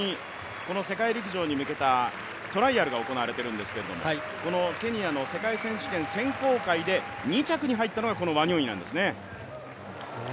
この世界陸上に向けたトライアルが行われているんですがこのケニアの世界選手権選考会で２着に入ったのが、このワニョンイなんですね。